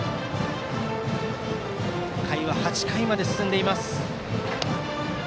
回は８回まで進んでいます。